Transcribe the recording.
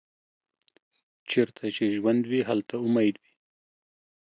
چیرته چې ژوند وي، هلته امید وي.